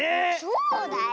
そうだよ。